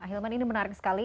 hilman ini menarik sekali